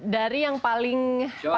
dari yang saya lihat